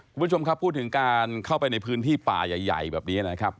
คุณผู้ชมครับพูดถึงการเข้าไปในพื้นที่ป่าใหญ่แบบนี้นะครับ